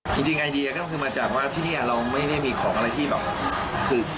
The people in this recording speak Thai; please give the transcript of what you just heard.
จริงไอเดียก็คือมาจากว่าที่นี่เราไม่ได้มีของอะไรที่แบบคือ